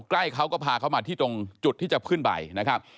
ใกล้เขาก็พาเขามาที่ตรงจุดที่จะขึ้นไปนะครับ